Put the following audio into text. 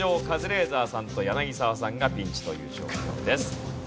カズレーザーさんと柳澤さんがピンチという状況です。